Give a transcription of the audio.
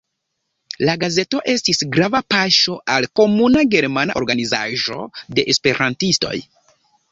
La gazeto estis grava paŝo al komuna germana organizaĵo de esperantistoj.